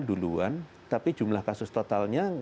duluan tapi jumlah kasus totalnya